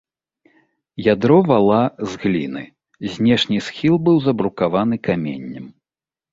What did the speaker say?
Ядро вала з гліны, знешні схіл быў забрукаваны каменнем.